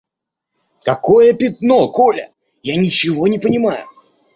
Какое пятно, Коля? Я ничего не понимаю.